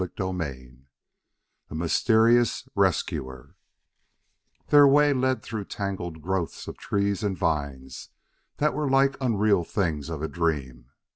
CHAPTER X A Mysterious Rescuer Their way led through tangled growths of trees and vines that were like unreal things of a dream.